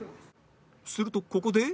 するとここで